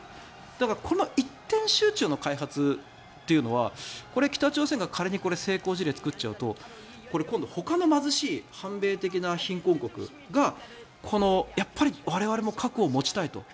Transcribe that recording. だからこの１点集中の開発というのは北朝鮮が仮に成功事例を作っちゃうとほかの貧しい反米的な貧困国がやっぱり我々も核を持ちたいと。